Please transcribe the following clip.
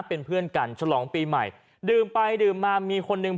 เป็นเพื่อนกันฉลองปีใหม่ดื่มไปดื่มมามีคนหนึ่ง